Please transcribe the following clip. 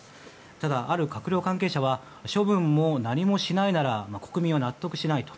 ただ、ある閣僚関係者は処分も何もしないなら国民は納得しないと。